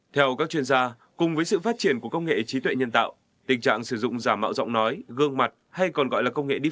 theo các chuyên gia cùng với sự phát triển của công nghệ trí tuệ nhân tạo tình trạng sử dụng giả mạo giọng nói gương mặt hay còn gọi là công nghệ dee